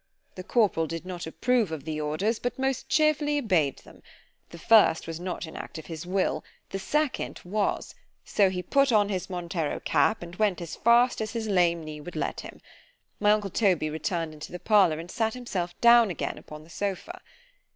The corporal did not approve of the orders, but most cheerfully obeyed them. The first was not an act of his will—the second was; so he put on his Montero cap, and went as fast as his lame knee would let him. My uncle Toby returned into the parlour, and sat himself down again upon the sopha.